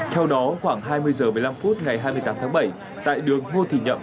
theo đó khoảng hai mươi h một mươi năm phút ngày hai mươi tám tháng bảy tại đường ngô thị nhậm